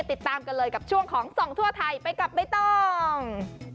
ติดตามกันเลยกับช่วงของส่องทั่วไทยไปกับใบตอง